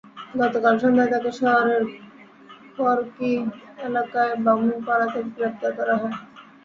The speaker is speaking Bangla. গতকাল সন্ধ্যায় তাঁকে শহরের খড়কি এলাকার বামনপাড়া থেকে গ্রেপ্তার করা হয়।